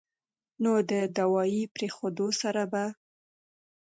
نو د دوائي پرېښودو سره به